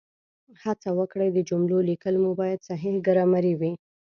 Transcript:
هڅه وکړئ د جملو لیکل مو باید صحیح ګرامري وي